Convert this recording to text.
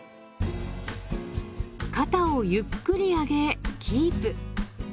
肩をゆっくり上げキープ。